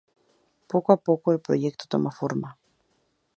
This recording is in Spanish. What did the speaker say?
Poco a poco el proyecto toma forma.